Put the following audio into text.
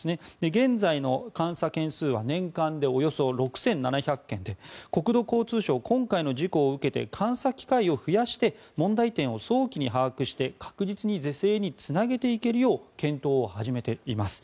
現在の監査件数は年間でおよそ６７００件で国土交通省、今回の事故を受けて監査機会を増やして問題点を早期に把握して確実に是正につなげていけるよう検討を始めています。